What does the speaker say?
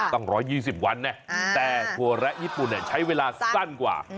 ๑๒๐วันแต่ถั่วแระญี่ปุ่นใช้เวลาสั้นกว่า